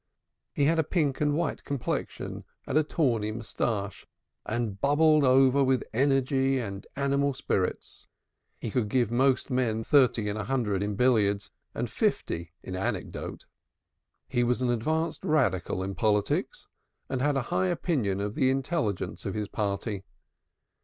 He had a pink and white complexion, and a tawny moustache, and bubbled over with energy and animal spirits. He could give most men thirty in a hundred in billiards, and fifty in anecdote. He was an advanced Radical in politics, and had a high opinion of the intelligence of his party.